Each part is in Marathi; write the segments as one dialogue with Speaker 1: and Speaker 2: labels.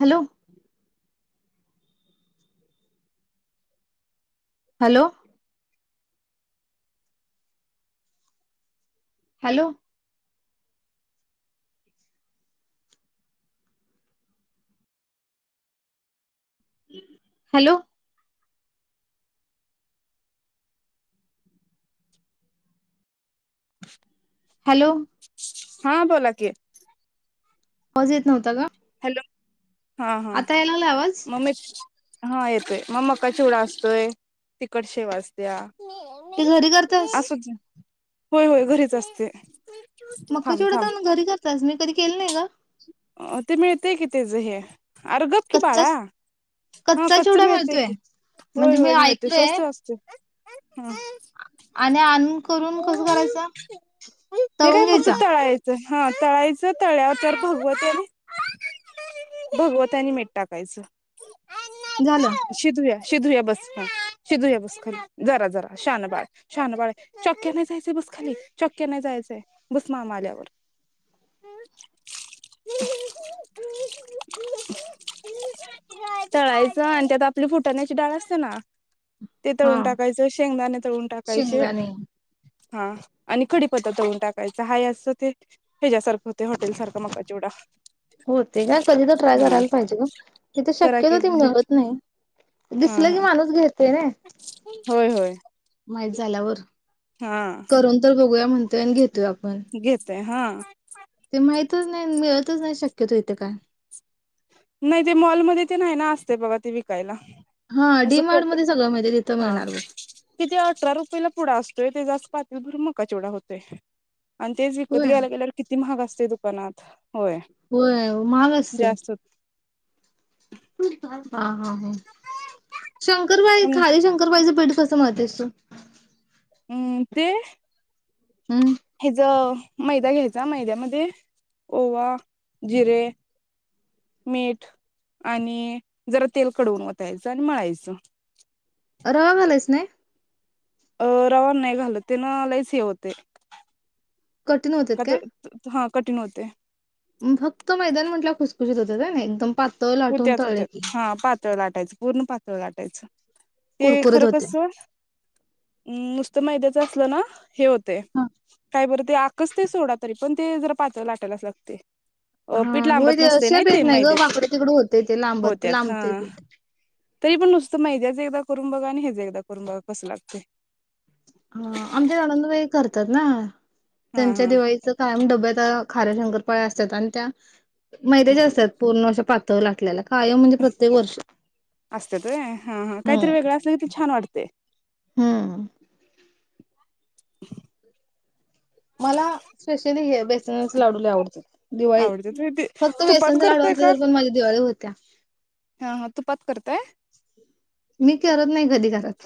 Speaker 1: Hello! Hello! Hello! Hello! Hello
Speaker 2: हा बोला कि
Speaker 1: आवाज येत नव्हता ग
Speaker 2: हॅलो हा हां
Speaker 1: लागला आवाज
Speaker 2: मम्मी हा येतोय. मग मका चिवडा असतोय तिकट शेव असत्या.
Speaker 1: ते घरी करतास
Speaker 2: असू दे होय होय घरीच असते.
Speaker 1: मक्का
Speaker 2: थांब
Speaker 1: चिवडा
Speaker 2: थांब
Speaker 1: आणून घरी करत्यास मी कधी केल नाही ग.
Speaker 2: अ ते मिळतेय कि त्याज हे अर गप कि
Speaker 1: कच्चा
Speaker 2: बाळा हा
Speaker 1: कच्चा
Speaker 2: कच्च
Speaker 1: चिवडा
Speaker 2: मिळतेय
Speaker 1: मिळतोय
Speaker 2: की, होय
Speaker 1: म्हणजे मी
Speaker 2: होय मिळतेय की
Speaker 1: ऐकलोय
Speaker 2: स्वस्त असतय.
Speaker 1: आणि आणून करून कसं करायच
Speaker 2: ते
Speaker 1: तळून
Speaker 2: काय फक्त
Speaker 1: घ्यायचा.
Speaker 2: तळायचं हा तळायचं तळल्यावर जरा भगवत भगवत आणि मीठ टाकायचं.
Speaker 1: झालं
Speaker 2: शी तुझ्या शि धुवूया बस खाली शि धुवूया बस खाली जरा जरा शान बाळ शान बाळ आहे चॉकी आणाय जायचं बसखाली चॉकी आणाय जायचंय बस मामा आल्यावर तळायचं आणि त्यात आपली फुटाण्याची डाळ असते ना ते
Speaker 1: हा
Speaker 2: तळून टाकायचें, शेंगदाणे तळून टाकायचे.
Speaker 1: शेंगदाणे
Speaker 2: हा आणि कडीपत्ता तळून टाकायचं हा असं ते ह्याच्यासारखं होतय हॉटेल सारखं मग चिवडा
Speaker 1: होतय काय कधी तर ट्राय
Speaker 2: हा
Speaker 1: करायला पाहिजे ग तिथ
Speaker 2: करा की
Speaker 1: शक्यतो
Speaker 2: घरी
Speaker 1: मिळत नाही
Speaker 2: हा
Speaker 1: दिसलं की
Speaker 2: हा
Speaker 1: माणूस घेत
Speaker 2: होय होय.
Speaker 1: माहीत झाल्यावर
Speaker 2: हा
Speaker 1: करून तर बघूया म्हण तोय आणि घेतोय आपण
Speaker 2: घेतय हा.
Speaker 1: ते माहितच नाही मिळतच नाही शक्यतो इथ काय
Speaker 2: नाही ते मॉलमध्ये तेन आहे ना असतय बघा ते विकायला
Speaker 1: हा
Speaker 2: असं
Speaker 1: डीमार्टमध्ये सगळं मिळते तिथं
Speaker 2: हा
Speaker 1: मिळणार बघ.
Speaker 2: किती अठरा रुपयला पुढं असत ते जास्त पाकी भरून मक्का चिवढा होतय. आणि तेच विकत
Speaker 1: होय.
Speaker 2: घ्यायला गेल्यावर किती महाग असत दुकानात होय
Speaker 1: होय महाग असतय.
Speaker 2: जास्त
Speaker 1: [unintelligible] शंकरपाळी खारी शंकरपाळीचं पीठ कसं म्हणतेस तू?
Speaker 2: हम्म ते
Speaker 1: हम्म
Speaker 2: हेज मैदा घ्यायचा मैद्यामध्ये ओवा, जिरे, मीठ आणि जरा तेल कडवून वतायचं आणि मळायचं.
Speaker 1: रवा घालायचा नाही.
Speaker 2: अ रवा नाही घालत तेन लईच हे होतय.
Speaker 1: कठीण होतात
Speaker 2: कता
Speaker 1: काय?
Speaker 2: हा कठीण होतेय.
Speaker 1: फक्त मैदान म्हट खुसखुशीत होत्यात होय नाय एकदम पात.
Speaker 2: होत्याच होत्यात हा पातळ लाटायचं, पूर्ण पातळ लाटायचं. ते
Speaker 1: कुरकुरीत
Speaker 2: खरं
Speaker 1: होत्या.
Speaker 2: कस नुसत मैद्यात. असलं ना हे होत ते काय बरं ते आकसतय ते सोडा तरी पण ते जर पातळ लाटायलाच लागते. अ
Speaker 1: हा
Speaker 2: पीठ
Speaker 1: होय
Speaker 2: लांबत
Speaker 1: ते
Speaker 2: नसते
Speaker 1: शेप
Speaker 2: ते
Speaker 1: येत नाही ग
Speaker 2: मैद्यात
Speaker 1: वाकडं तिकडं थोडं होतंय ते लांबत
Speaker 2: होत्यात हा
Speaker 1: लांबतय पीठ
Speaker 2: तरी पण नुसतं मैद्याचं एकदा करून बघा, आणि हेच एकदा करून बघा कसं लागतंय.
Speaker 1: हा आमच्या ननंदबाई करतात ना
Speaker 2: हा
Speaker 1: त्यांच्या
Speaker 2: हा
Speaker 1: दिवाळीच कायम डब्यात अ खार्याशंकर पाळ्या असतात आणि त्या मैत्याच्या असतात पूर्ण अश्या पातळ लाटलेल्यात
Speaker 2: असतात व्हय हा हा काहीतरी
Speaker 1: हम्म
Speaker 2: वेगळं असल कि ते छान वाटत ते.
Speaker 1: हम्म.
Speaker 2: [unintelligible]
Speaker 1: मला स्पेशली हे बेसनाचे लाडूला लय आवडत्यात दिवाळी
Speaker 2: आवडते तुम्ही ते
Speaker 1: फक्त
Speaker 2: तुपात
Speaker 1: बेसनचे लाडू
Speaker 2: करताय
Speaker 1: असले
Speaker 2: का
Speaker 1: तर पण माझ्या दिवाळी होत्या.
Speaker 2: हा हा तुपात. करताय
Speaker 1: मी करत नाही कधी करत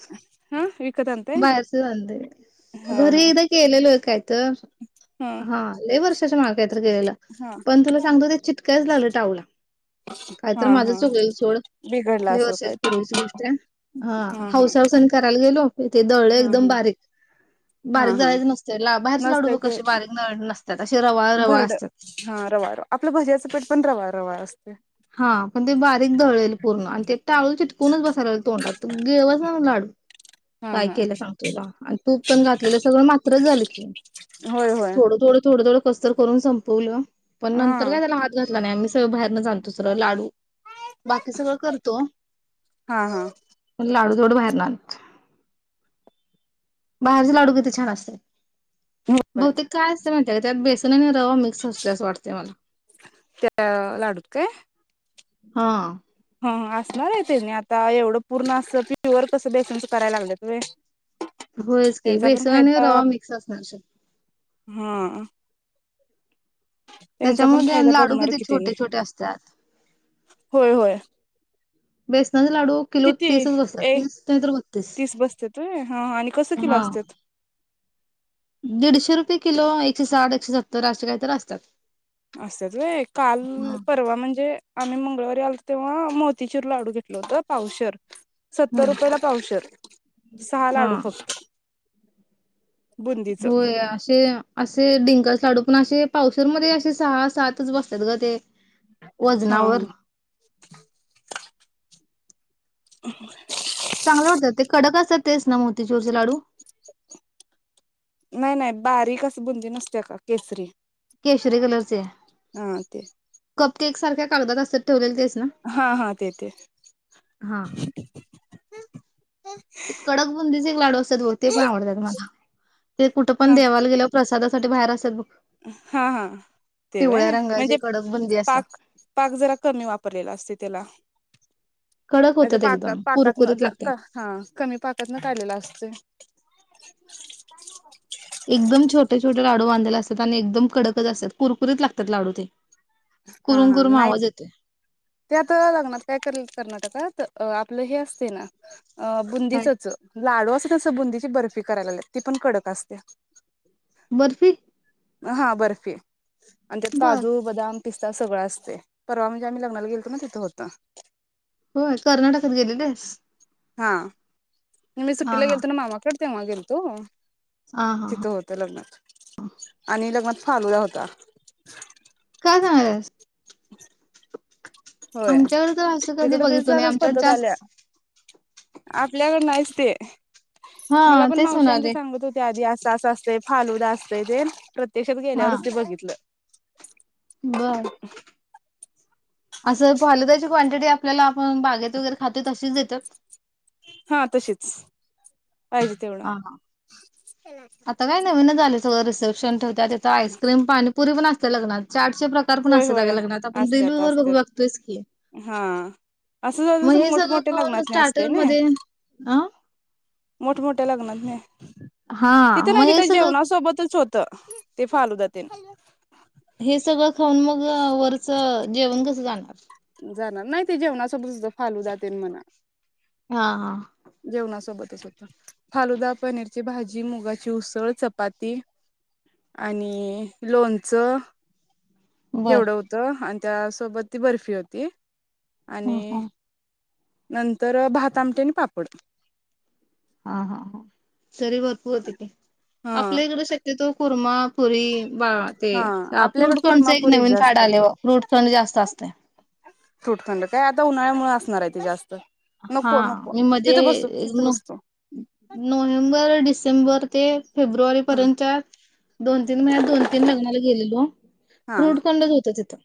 Speaker 2: हा विकत आणताय
Speaker 1: बाहेरच आणतोय,
Speaker 2: हा
Speaker 1: घरी
Speaker 2: हा
Speaker 1: एकदा केलेलो काय तर हा लय वर्षा कशाला मागतेत. तसंच गलेलं
Speaker 2: हा
Speaker 1: पण तुला सांगतो, ते चिटकायच लागलं टाऊला कायत
Speaker 2: हा
Speaker 1: माझ
Speaker 2: हा
Speaker 1: चुकल सोड
Speaker 2: बिघडला
Speaker 1: लय
Speaker 2: असेल काय
Speaker 1: वर्षापूर्वीची
Speaker 2: तर
Speaker 1: पूर्वीची गोष्ट आहे हा हाऊस हऊस ने करायला गेलो इथे दळ
Speaker 2: हा
Speaker 1: एकदम
Speaker 2: हा
Speaker 1: बारीक
Speaker 2: हा
Speaker 1: बारीक
Speaker 2: हा
Speaker 1: दळायचं नसते, ला बाहेरचे लाडू
Speaker 2: नसतय
Speaker 1: बघ
Speaker 2: ते
Speaker 1: कसे बारीक नळ नसतात, असे रवाळ रवाळ
Speaker 2: भरड
Speaker 1: असतात.
Speaker 2: रवाळ अस
Speaker 1: हा पण ते बारीक दळेल पूर्ण आणि ते टाळूला, चिटकूनच बसायला तोंडात गिळवना लाडू
Speaker 2: हा
Speaker 1: काय
Speaker 2: हा.
Speaker 1: केलं सांग तुला आणि तूप पण घातलेलं, सगळं मात्र झालं की
Speaker 2: होय होय
Speaker 1: थोडं थोडं थोडं थोडं कसतर करून संपवलं. पण नंतर
Speaker 2: हा
Speaker 1: काय त्याला हात घा नाय नाय आम्ही सगळे बाहेरन दसर लाडू बाकी सगळ करतो
Speaker 2: हा हा
Speaker 1: पण लाडू थोड बाहेरन आणतो बाहेरचे लाडू किती छान असते.
Speaker 2: होय.
Speaker 1: बघते का त्या म्हणत्यात त्यात बेसन आहे ना [unintelligible] खवा मिक्स असतो अस वाटते मला.
Speaker 2: त्या
Speaker 1: हा.
Speaker 2: हा असणार आहे ते ज्ञात. त्या एवढं पूर्ण अस प्युअर कसं बेसनचं करायला लागल्यात व्हय.
Speaker 1: होयच की
Speaker 2: त्यांचा पण
Speaker 1: बेसण आणि रवा मिक्स [unintelligible] चणारस
Speaker 2: हम्म.
Speaker 1: त्याच्यामध्ये अन
Speaker 2: फायदा
Speaker 1: लाडू
Speaker 2: बघणार
Speaker 1: किती
Speaker 2: कि त्याने
Speaker 1: छोटे छोटे असतात
Speaker 2: होय होय
Speaker 1: बेसनाचे लाडू किलो
Speaker 2: किती
Speaker 1: तीसच बसतात
Speaker 2: एक
Speaker 1: तीस नाही तर बत्तीस
Speaker 2: तीस बसत्यात व्हय हा आणि कसं किलो
Speaker 1: हा.
Speaker 2: असत्यात?
Speaker 1: दीडशे रुपये किलो एकशे साठ एकशे सत्तर असे काही तर असतात.
Speaker 2: असंच व्हय काल
Speaker 1: हा.
Speaker 2: परवा म्हणजे आम्ही मंगळवारी आलत. तेव्हा मोतीचूर लाडू घेतलं होत पावशेर सत्तर
Speaker 1: हम्म.
Speaker 2: रुपये ला पावशर सहा लाडू
Speaker 1: हा.
Speaker 2: फक्त. बुंदीच
Speaker 1: होय असे असे डिंकाच लाडू पण असे पावशरमध्ये असे सहा सातच बसतात ग ते.
Speaker 2: हा हा
Speaker 1: वजनावर
Speaker 2: अहे [unintelligible]
Speaker 1: चांगले वाटतात ते कडक असतात तेच न मग.
Speaker 2: नाय नाय बारीक बुंदी नसत्या का केसरी.
Speaker 1: केशरी कलरचे
Speaker 2: हा ते
Speaker 1: क केकसारख्या कागदात असतात ठेवलेले तेच ना
Speaker 2: हा हा देते.
Speaker 1: हा. एक कडकबुंदीचे लाडू असतात ह हो ते पण आवडतात मला ते कुठं पण
Speaker 2: हा
Speaker 1: देवाला गेल्यावर प्रसाद अस कुठ [unintelligible] बाहेर असत्यात बघ.
Speaker 2: हा हा ते व्हय
Speaker 1: पिवळ्या
Speaker 2: म्हणजे
Speaker 1: रंगाची कडक बुंदी असतात.
Speaker 2: पाक पाक जरा कमी वापरलेला असत त्याला
Speaker 1: कडक
Speaker 2: नाही तर
Speaker 1: होतात
Speaker 2: पाक
Speaker 1: एकदम
Speaker 2: पाकातन
Speaker 1: कुरकुरीत
Speaker 2: ज
Speaker 1: लागतात.
Speaker 2: हा कमी पाकात न काढलेला असतय.
Speaker 1: एकदम छोटे छोटे लाडू बांध. असतात आणि एकदम कडकच असतात कुरकुरीत लागतात लाडू ते.
Speaker 2: हा
Speaker 1: कुरुम
Speaker 2: हा
Speaker 1: कुरुम
Speaker 2: नाही
Speaker 1: आवाज येतोय
Speaker 2: ते आता लग्नात काय करील कर्नाटकात अ आपलं हे असते ना, अ
Speaker 1: काय
Speaker 2: बुंदीचच लाडू अस. तसबुंदची बर्फी करायला लय ती पण कडक असते.
Speaker 1: बर्फी
Speaker 2: हा बर्फी आणि ते
Speaker 1: बर
Speaker 2: काजू बदाम पिस्ता सगळ असते परवा म्हणजे आम्ही लग्नाला गेलो ना तिथं होत
Speaker 1: हो कर्नाटकात गेले होतेस
Speaker 2: हा मी सुट्टीला
Speaker 1: हा
Speaker 2: गेलतो ना मामाकडे तेव्हा गेल तो
Speaker 1: हा हा हा
Speaker 2: तिथं होतं लग्नात आणि लग्नात फलूदा होता
Speaker 1: काय सागस
Speaker 2: क
Speaker 1: आमच्याकडे तर असं कधी
Speaker 2: तिकडे
Speaker 1: बघितलो नाही आमच्यावर जास्त
Speaker 2: आपल्याकड नाहीच ते
Speaker 1: हा
Speaker 2: मला पण
Speaker 1: तेच
Speaker 2: मावश्यां ते
Speaker 1: म्हणाले
Speaker 2: सांगत होते आधी अस अस अस ते फालूद असते ते प्रत्यक्षात
Speaker 1: हा
Speaker 2: गेल्यावरच ते बघितलं
Speaker 1: बर असं फालुदाची क्वांटिटी आपल्याला ग बागेत वगैरे खाते तशीच देतात
Speaker 2: हा तशीच पाहिजे तेवढं
Speaker 1: ह आता काय नवीन झाले रिसेप्शन त्यात आता आईसक्रीम पाणी पाणी पुरी पण असते लग्नात चाटचे प्रकार पण
Speaker 2: होय
Speaker 1: असत
Speaker 2: होय
Speaker 1: लग्नात आपण
Speaker 2: असत्यात
Speaker 1: फेसबुक
Speaker 2: असत्यात
Speaker 1: बघतोय की
Speaker 2: हा असं ज
Speaker 1: मग
Speaker 2: जसं
Speaker 1: हे सगळं
Speaker 2: मोठमोठ्या
Speaker 1: खाऊन
Speaker 2: लग्नात नाही असते
Speaker 1: स्टार्टर
Speaker 2: ना
Speaker 1: मध्ये अ
Speaker 2: ह
Speaker 1: हा मग हेच
Speaker 2: होतं ते फालूदात ना
Speaker 1: हे सगळं खऊन मग वरचं जेवण कसं जाणार
Speaker 2: जाणार नाही ते जेवणाच फालूदातेन म्हणा
Speaker 1: हा ह
Speaker 2: जेवणासोबतच फालुदा पनीरची भाजी मुगाची उसळ चपाती आणि लोणचं
Speaker 1: बर
Speaker 2: केवढं होतं त्यासोबत ती बर्फी होती ते
Speaker 1: ह हा
Speaker 2: आणि नंतर भात आमटी आणि पापड
Speaker 1: हा हा हा तरी भरपूर होते
Speaker 2: हा
Speaker 1: आपल्याकडे शक्यतो कुर्मापुरी वा ते
Speaker 2: हा आपल्याकडे
Speaker 1: फ्रूट खंड एक
Speaker 2: कुर्मापुरी
Speaker 1: नवीन
Speaker 2: जास्त
Speaker 1: फाड आले व फ्रूट खंड जास्त असते
Speaker 2: फ्रूटखंड काय आता उन्हाळ्यामुळे असणार आहे ते जास्त
Speaker 1: हा
Speaker 2: नको नको
Speaker 1: म मध्ये
Speaker 2: तिथे बसतो तिथे बसतो
Speaker 1: नोव्हेंबर डिसेंबर ते फेब्रुवारी
Speaker 2: हा
Speaker 1: पर्यंतच्या दोन तीन महिन्यात दोन तीन लग्नाला गेलेलो
Speaker 2: हा
Speaker 1: फ्रूट खंडच होत तिथं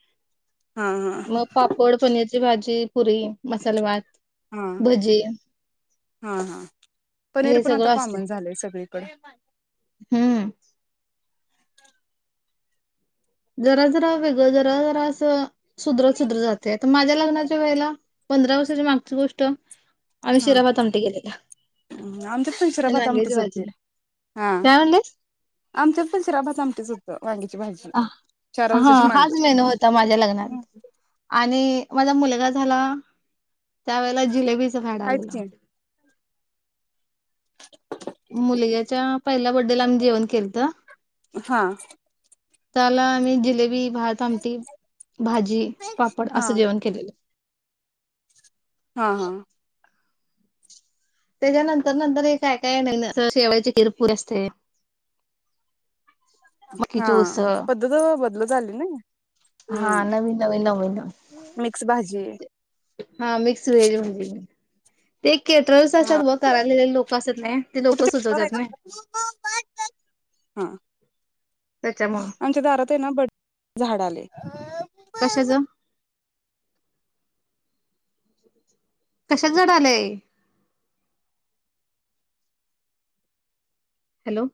Speaker 2: हा हा
Speaker 1: मग पापड पनीर भाजी पुरी मसाले भात
Speaker 2: हा
Speaker 1: भजी
Speaker 2: हा हा पनीर
Speaker 1: हे
Speaker 2: पण आता
Speaker 1: सगळं असते.
Speaker 2: कॉमन झालंय सगळीकडे
Speaker 1: हम्म. जरा जरा वेगळं जरा जरा असं सुध्र सुध्र जाते तर माझ्या लग्नाच्या वेळेला पंधरा वर्षाची मागची गोष्ट आम्ही
Speaker 2: हा
Speaker 1: शिराभात आमटी केलेला
Speaker 2: आमच्या
Speaker 1: आणि
Speaker 2: फुलचराभात
Speaker 1: वांग्याची
Speaker 2: आमटीच होते
Speaker 1: भाजी.
Speaker 2: हा
Speaker 1: काय म्हणलीस?
Speaker 2: आमच्या पुलचराभात आमटीच होते
Speaker 1: हा
Speaker 2: माग
Speaker 1: हाच मेनू होता माझ्या लग्नात आणि माझ मुला झाला त्यावेळेला जिलेबीचं फॅड
Speaker 2: आहेत की
Speaker 1: आलेलंत मुलग्याच्या पहिल्या बर्डेला आम्ही जेवण केलंत
Speaker 2: हा
Speaker 1: त्याला आम्ही जिलेबी भात आमटी भाजी पापड
Speaker 2: हा
Speaker 1: असं जेवण केलेलं
Speaker 2: हा हा
Speaker 1: त्याच्या नंतर नंतर हे काय काय नाही शेवाळाचे खीर पुरी असते.
Speaker 2: हा
Speaker 1: मकीची उसळ
Speaker 2: पद्धत बदल झाली ना
Speaker 1: हा
Speaker 2: हम्म
Speaker 1: नवीन नवीन नवीन
Speaker 2: मिक्स भाजी
Speaker 1: हा मिक्स व्हेज म्हणजे म ते केटरर्स
Speaker 2: हा
Speaker 1: असतात व करायले लोक असत नाही ते लोक सुचवतात नाही
Speaker 2: हा
Speaker 1: त्याच्यामुळं
Speaker 2: ह
Speaker 1: कशाच कशात जड आलाय हॅलो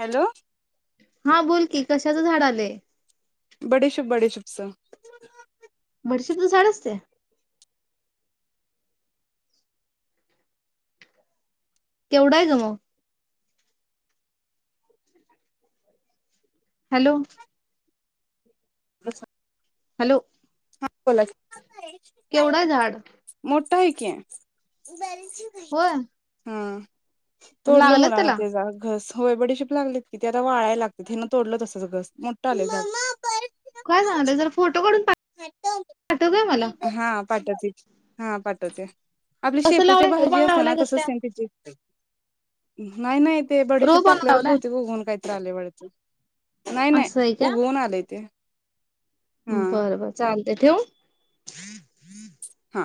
Speaker 2: हॅलो
Speaker 1: हा बोल की कशाचं झाड आलंय?
Speaker 2: बडीशुप बडीशुप चं.
Speaker 1: बडशुप चं झाड असते. केवढा आहे ग मग. हॅलो.
Speaker 2: कसं
Speaker 1: हॅलो.
Speaker 2: हा बोला की
Speaker 1: केवढं आहे झाड
Speaker 2: मो -ठय की.
Speaker 1: होय
Speaker 2: हम्म [unintelligible] तोडलं
Speaker 1: लागलं
Speaker 2: मुलांन
Speaker 1: त्याला
Speaker 2: ते झाडं घस. होय बडीशिप लागलेत कि, ते आता वाळाय लागते हे ना तोडलं घस मोठं आलेतं.
Speaker 1: काय झालं जरा फोटो काढून पाठव काय मला.
Speaker 2: हा पाठवते की हा पाठवते. आपली
Speaker 1: कसं
Speaker 2: शेपूच्या
Speaker 1: लावलाय रोप
Speaker 2: भाजी
Speaker 1: आणून
Speaker 2: असते ना
Speaker 1: लावलाय कसं
Speaker 2: तसच
Speaker 1: काय
Speaker 2: सेम तेची. हम् नाही नाही ते बडीशिप
Speaker 1: रोप आणून
Speaker 2: टाकल्यावरच
Speaker 1: लावलाय
Speaker 2: बहुतेक उगवून काहीतरी आले वाडत. चल. नाही नाही उगवून आलेय ते. हा
Speaker 1: बर बर. चालतेय ठिवू.
Speaker 2: हा.